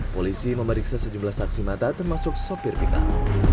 polisi memeriksa sejumlah saksi mata termasuk sopir pikal